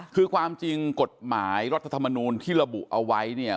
คือความจริงกฎหมายรัฐธรรมนูลที่ระบุเอาไว้เนี่ย